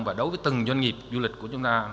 và đối với từng doanh nghiệp du lịch của chúng ta